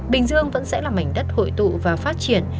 bình dương vẫn sẽ là mảnh đất hội tụ và phát triển